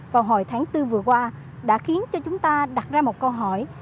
vào hồi tháng bốn vừa qua đã khiến cho chúng ta đặt ra một câu hỏi